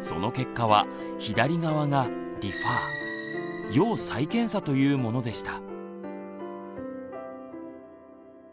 その結果は左側が「リファー」要再検査というものでした。